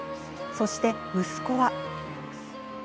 そして、息子は。